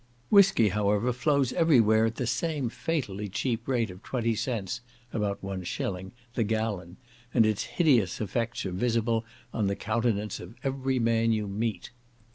Whiskey, however, flows every where at the same fatally cheap rate of twenty cents (about one shilling) the gallon, and its hideous effects are visible on the countenance of every man you meet.